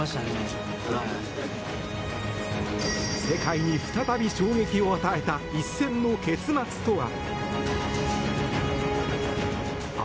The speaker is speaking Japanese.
世界に再び衝撃を与えた一戦の結末とは。